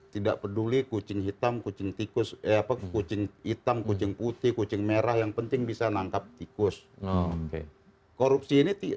tidak peduli kucing hitam kucing tikus apa kucing hitam kucing putih kucing merah yang penting bisa nangkap tikus